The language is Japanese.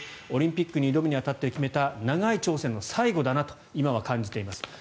オリンピックに挑むに当たって決めた長い挑戦の最後だなと今は感じています。